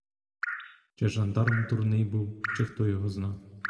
Чи жандарм дурний був, чи хто його зна.